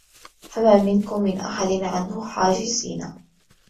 فَما مِنكُم مِن أَحَدٍ عَنهُ حاجِزينَ